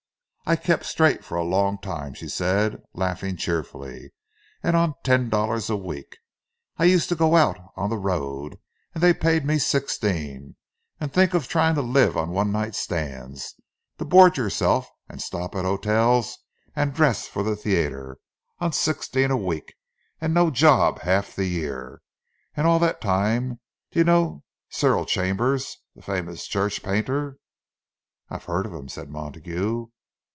"I kept straight for a long time," she said, laughing cheerfully—"and on ten dollars a week! I used to go out on the road, and then they paid me sixteen; and think of trying to live on one night stands—to board yourself and stop at hotels and dress for the theatre—on sixteen a week, and no job half the year! And all that time—do you know Cyril Chambers, the famous church painter?" "I've heard of him," said Montague.